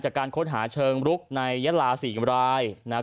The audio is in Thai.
จากการค้นหาเชิงรุกในยะลา๔รายนะครับ